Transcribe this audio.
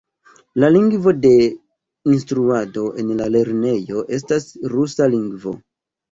La lingvo de instruado en la lernejo estas rusa lingvo.